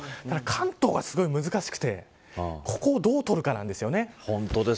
関東がすごい難しくてここをどう取るかなんですよね。